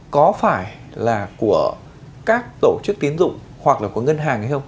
có phải là của các tổ chức tiến dụng hoặc là của ngân hàng hay không